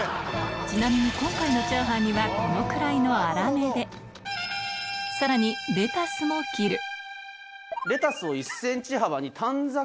ちなみに今回のチャーハンにはこのくらいの粗めでさらにいや違います！